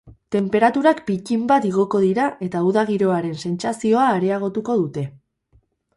Tenperaturak pittin bat igoko dira eta uda giroaren sentsazioa areagotuko dute.